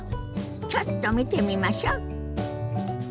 ちょっと見てみましょ。